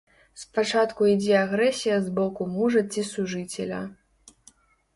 Спачатку ідзе агрэсія з боку мужа ці сужыцеля.